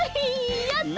やった！